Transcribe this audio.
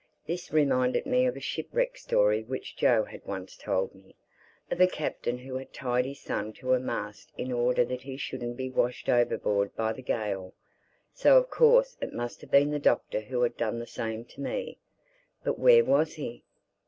This reminded me of a shipwreck story which Joe had once told me, of a captain who had tied his son to a mast in order that he shouldn't be washed overboard by the gale. So of course it must have been the Doctor who had done the same to me. But where was he?